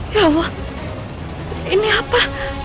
ya allah ini apa